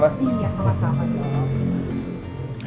makasih makasih ya